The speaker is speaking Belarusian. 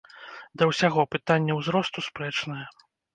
Да ўсяго, пытанне ўзросту спрэчнае.